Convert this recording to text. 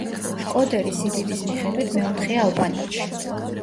შკოდერი სიდიდის მიხედვით მეოთხეა ალბანეთში.